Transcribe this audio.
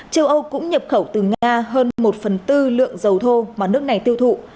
châu âu cũng nhập khẩu từ nga hơn một phần tư lượng dầu thô mà nước này tiêu thụ